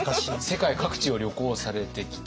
世界各地を旅行されてきたと。